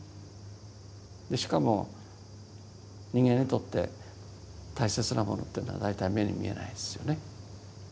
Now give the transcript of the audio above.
しかも人間にとって大切なものっていうのは大体目に見えないですよね。